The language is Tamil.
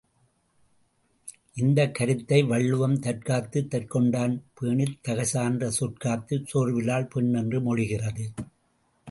இந்தக் கருத்தை வள்ளுவம், தற்காத்துத் தற்கொண்டான் பேணித் தகைசான்ற சொற்காத்துச் சோர்விலாள் பெண் என்று மொழிகிறது.